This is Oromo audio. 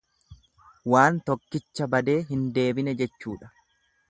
Waan tokkicha badee hin deebine jechuudha.